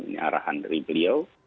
ini arahan dari beliau